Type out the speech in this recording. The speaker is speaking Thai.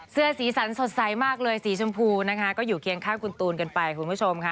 เสื้อสีสันสดใสมากเลยสีชมพูนะคะก็อยู่เคียงข้างคุณตูนกันไปคุณผู้ชมค่ะ